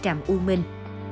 tràm u minh